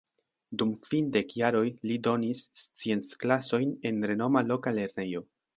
Dum kvindek jaroj li donis scienc-klasojn en renoma loka lernejo.